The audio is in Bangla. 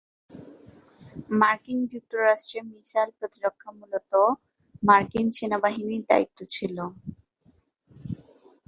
মার্কিন যুক্তরাষ্ট্রে মিসাইল প্রতিরক্ষা মূলত মার্কিন সেনাবাহিনীর দায়িত্ব ছিল।